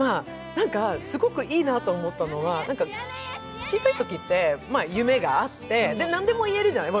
すごくいいなと思ったのが、小さいときって夢があって、何でも言えるじゃない？